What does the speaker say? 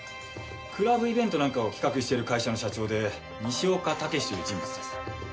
クラブイベントなんかを企画してる会社の社長で西岡毅という人物です。